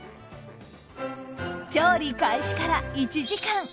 調理開始から１時間。